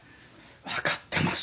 わかってます。